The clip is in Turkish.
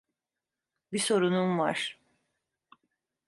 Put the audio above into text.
Bir sorunum var.